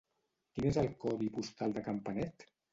Quin és el codi postal de Campanet?